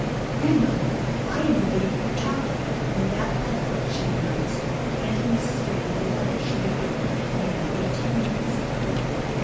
"Grandmother, I am the baby you talked about in that letter," she announced, handing Mrs. Brady the letter she had written nearly eighteen years before.